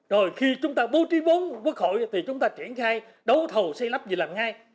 rồi khi chúng ta bố trí vốn quốc hội thì chúng ta triển khai đấu thầu xây lắp gì làm ngay